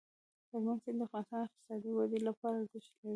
هلمند سیند د افغانستان د اقتصادي ودې لپاره ارزښت لري.